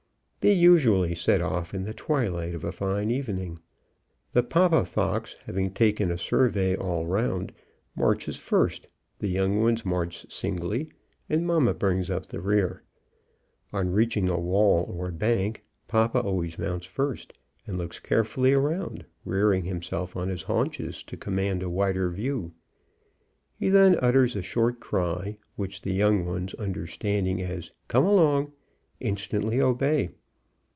They usually set off in the twilight of a fine evening. The papa fox having taken a survey all round, marches first, the young ones march singly, and mamma brings up the rear. On reaching a wall or bank, papa always mounts first, and looks carefully around, rearing himself on his haunches to command a wider view. He then utters a short cry, which the young ones, understanding as "Come along!" instantly obey.